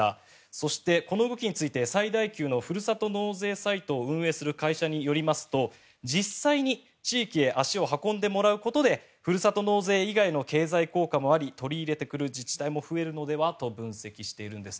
そしてこれについてふるさと納税を運営する会社によりますと実際に地域へ足を運んでもらうことでふるさと納税以外の経済効果もあり取り入れてくれる自治体も増えるのではと分析しているんです。